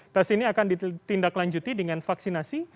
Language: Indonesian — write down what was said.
tes ini akan ditindaklanjuti dengan vaksinasi